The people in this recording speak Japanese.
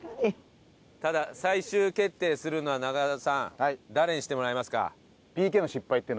ただ最終決定するのは中澤さん誰にしてもらいますか？